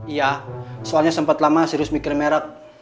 iya soalnya sempat lama serius mikir merek